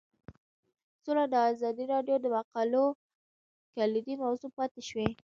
سوله د ازادي راډیو د مقالو کلیدي موضوع پاتې شوی.